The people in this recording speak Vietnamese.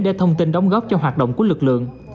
để thông tin đóng góp cho hoạt động của lực lượng